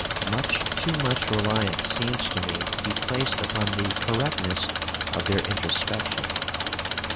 Much too much reliance seems to me to be placed upon the correctness of their introspection.